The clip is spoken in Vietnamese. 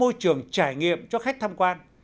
tạo ra môi trường trải nghiệm cho khách tham quan